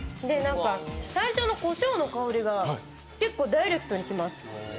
最初のこしょうの香りが結構ダイレクトに来ます。